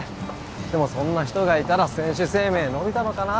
でもそんな人がいたら選手生命伸びたのかな